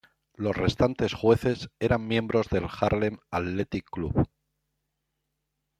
Los restantes jueces eran miembros del Harlem Athletic Club.